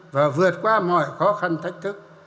và vượt qua mọi khó khăn thách thức